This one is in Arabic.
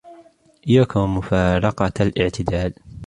إيَّاكَ وَمُفَارَقَةَ الِاعْتِدَالِ